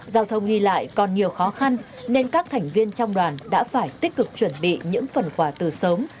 giao thông nghi lại còn nhiều khó khăn nên các thành viên trong đoàn đã phải tích cực chuẩn bị những phần quà từ sớm